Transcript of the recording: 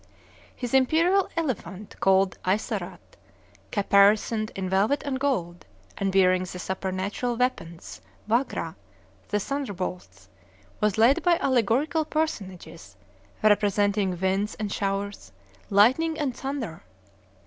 His imperial elephant, called Aisarat, caparisoned in velvet and gold, and bearing the supernatural weapons, Vagra, the thunderbolts, was led by allegorical personages, representing winds and showers, lightning and thunder.